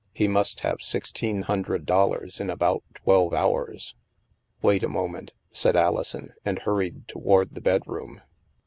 He must have sixteen hundred dollars in about twelve hours. " Wait a moment," said Alison, and hurried to ward the bedroom.